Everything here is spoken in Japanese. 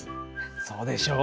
そうでしょう？